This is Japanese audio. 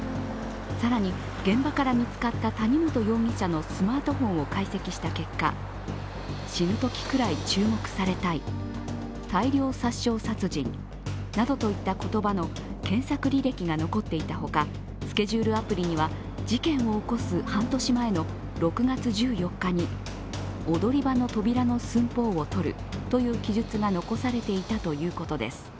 更に、現場から見つかった谷本容疑者のスマートフォンを解析した結果、「死ぬ時くらい注目されたい」「大量殺傷殺人」などといった言葉の検索履歴が残っていたほかスケジュールアプリには事件を起こす半年前の６月１４日に「踊り場の扉の寸法をとる」という記述が残されていたということです。